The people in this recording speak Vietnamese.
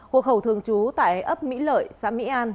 hộ khẩu thường trú tại ấp mỹ lợi xã mỹ an